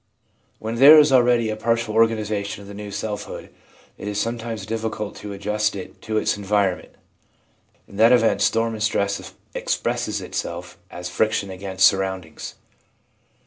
When there is already a partial organisation of the new selfhood, it is sometimes difficult to adjust it to its environment ; in that event storm and stress expresses itself as friction against surroundings.